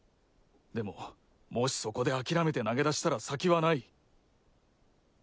でももしそこで諦めて投げ出したら先はない。